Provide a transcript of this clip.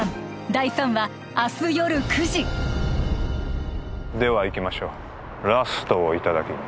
第３話明日夜９時では行きましょうラストをいただきに